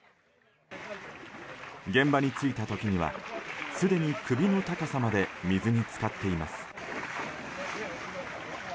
現場に着いた時にはすでに首の高さまで水に浸かっています。